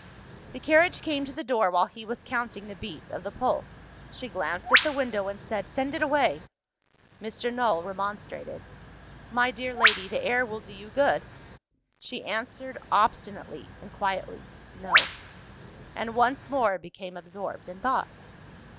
The carriage came to the door while he was counting the beat of the pulse. She glanced at the window, and said, "Send it away." Mr. Null remonstrated. "My dear lady, the air will do you good." She answered obstinately and quietly, "No" and once more became absorbed in thought.